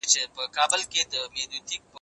فقير ته چي لار ورکې، د کور سر ته خېژي.